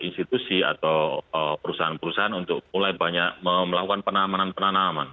institusi atau perusahaan perusahaan untuk mulai banyak melakukan penamanan penanaman